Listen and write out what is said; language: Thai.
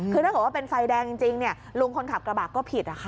คือถ้าเกิดว่าเป็นไฟแดงจริงลุงคนขับกระบะก็ผิด